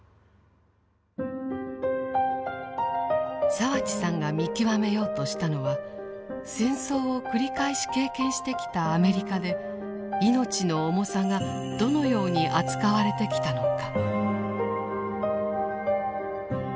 澤地さんが見極めようとしたのは戦争を繰り返し経験してきたアメリカで命の重さがどのように扱われてきたのか。